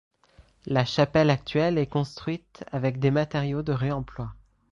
La chapelle actuelle est construite avec des matériaux de réemploi.